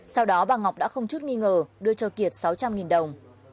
sau đó bà ngọc đã không chút nghi ngờ đưa cho kiệt sáu trăm linh đồng